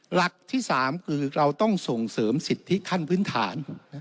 หลักที่๓คือเราต้องส่งเสริมสิทธิขั้นพื้นฐาน